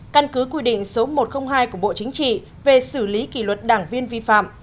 căn cứ quy định số một trăm linh hai của bộ chính trị về xử lý kỷ luật đảng viên vi phạm